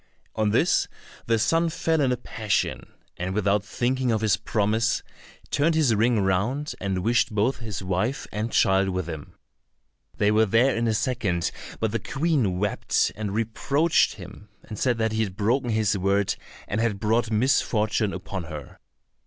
On this the son fell in a passion, and without thinking of his promise, turned his ring round, and wished both his wife and child with him. They were there in a second, but the Queen wept, and reproached him, and said that he had broken his word, and had brought misfortune upon her.